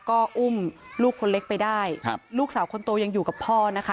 ก็อุ้มลูกคนเล็กไปได้ครับลูกสาวคนโตยังอยู่กับพ่อนะคะ